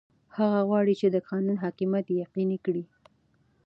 هغه غواړي د قانون حاکمیت یقیني کړي.